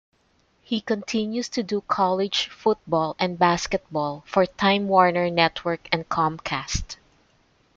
He continues to do college football and basketball for Time-Warner Network and Comcast.